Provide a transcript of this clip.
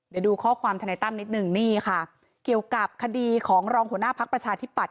เดี๋ยวดูข้อความทนายตั้มนิดหนึ่งนี่ค่ะเกี่ยวกับคดีของรองหัวหน้าพักประชาธิปัต